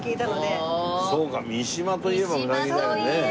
そうか三島といえばうなぎだよね。